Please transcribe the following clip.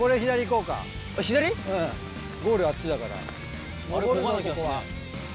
うんゴールあっちだから。